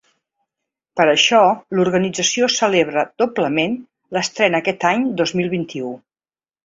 Per això, l’organització celebra doblement l’estrena aquest any dos mil vint-i-u.